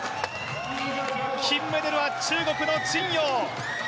金メダルは中国の陳ヨウ。